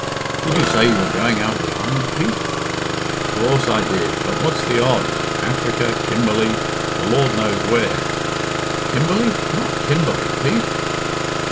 "Did you say you were going out of the island, Pete?" "Coorse I did; but what's the odds? Africa, Kimberley, the Lord knows where " "Kimberley! Not Kimberley, Pete!"